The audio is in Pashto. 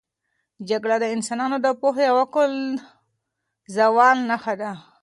جګړه د انسانانو د پوهې او عقل د زوال نښه ده.